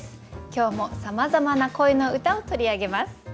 今日もさまざまな恋の歌を取り上げます。